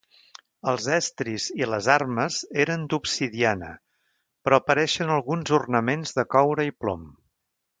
Els estris i les armes eren d'obsidiana, però apareixen alguns ornaments de coure i plom.